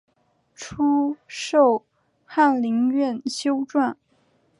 初授翰林院修撰。